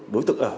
đối tượng ở